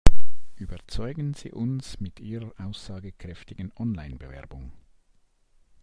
Überzeugen Sie uns mit Ihrer aussagekräftigen Online-Bewerbung.